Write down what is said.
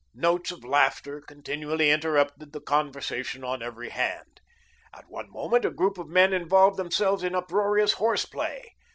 Notes of laughter continually interrupted the conversation on every hand. At every moment a group of men involved themselves in uproarious horse play.